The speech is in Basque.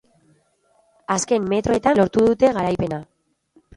Azken metroetan lortu dute garaipena.